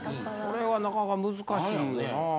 それはなかなか難しいなぁ。